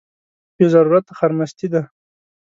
بې ضرورته خرمستي ده.